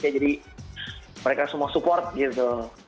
jadi mereka semua support gitu